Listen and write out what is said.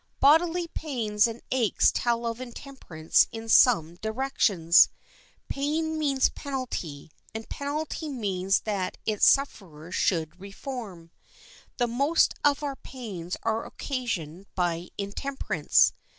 Bodily pains and aches tell of intemperance in some directions. Pain means penalty, and penalty means that its sufferer should reform. The most of our pains are occasioned by intemperance.